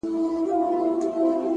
وخت د ژمنو رښتینولي ښکاره کوي